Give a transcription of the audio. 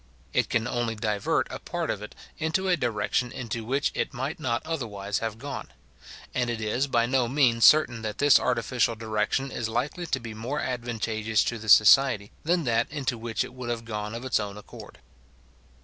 It can only divert a part of it into a direction into which it might not otherwise have gone; and it is by no means certain that this artificial direction is likely to be more advantageous to the society, than that into which it would have gone of its own accord.